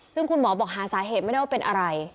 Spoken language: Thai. ซึ่งคุณหมอบอกหาสาเหตุไม่ได้ว่าเป็นอะไร